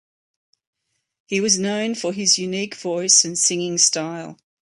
He was known for his unique voice and singing style.